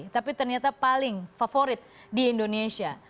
tapi ternyata paling favorit di indonesia